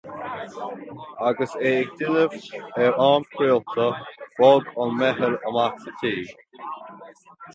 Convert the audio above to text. Agus é ag déanamh ar am craolta, bhog an mheitheal amach as tigh.